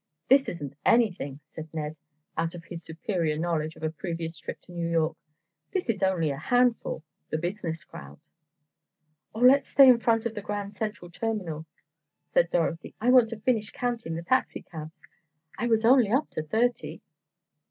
"This isn't anything," said Ned, out of his superior knowledge of a previous trip to New York. "This is only a handful—the business crowd." "Oh, let's stay in front of the Grand Central Terminal," said Dorothy, "I want to finish counting the taxicabs, I was only up to thirty."